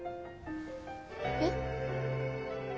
えっ？